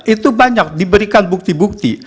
itu banyak diberikan bukti bukti